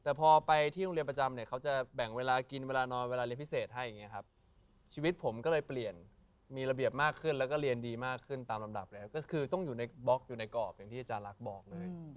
แต่พอไปที่โรงเรียนประจำเนี่ยเขาจะแบ่งเวลากินเวลานอนเวลาเรียนพิเศษให้อย่างนี้ครับชีวิตผมก็เลยเปลี่ยนมีระเบียบมากขึ้นแล้วก็เรียนดีมากขึ้นตามลำดับแล้วก็คือต้องอยู่ในบล็อกอยู่ในกรอบอย่างที่อาจารย์ลักษณ์บอกเลย